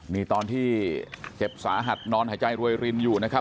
นี่ตอนที่เจ็บสาหัสนอนหายใจรวยรินอยู่นะครับ